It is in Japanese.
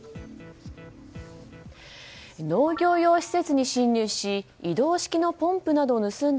農業用施設に侵入し移動式のポンプなどを盗んだ